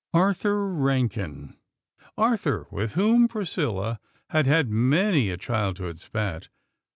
Arthur Rankin! Arthur, with whom Priscilla had had many a childhood spat!